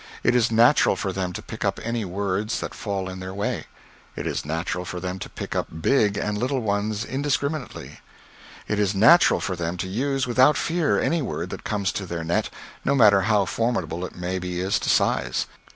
It is natural for them to pick up any words that fall in their way; it is natural for them to pick up big and little ones indiscriminately; it is natural for them to use without fear any word that comes to their net, no matter how formidable it may be as to size.